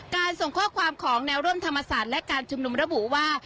ส่งข้อความของแนวร่วมธรรมศาสตร์และการชุมนุมระบุว่า